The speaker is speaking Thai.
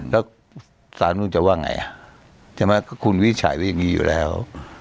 แล้วสาธารณูนจะว่าไงใช่มั้ยคุณวิชัยก็อย่างงี้อยู่แล้ว